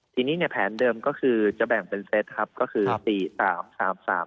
ทีนี้เนี่ยแผนเดิมก็คือจะแบ่งเป็นเซตครับก็คือสี่สามสามสาม